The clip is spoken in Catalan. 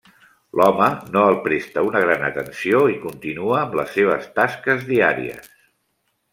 L'home no el presta una gran atenció i continua amb les seves tasques diàries.